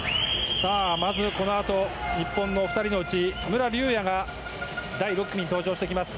このあと日本の２人のうち武良竜也が第６組に登場してきます。